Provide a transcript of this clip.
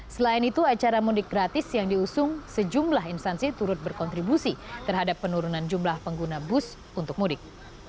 selain itu acara mudik gratis yang diusung sejumlah instansi turut berkontribusi terhadap penurunan jumlah pengguna bus untuk mudik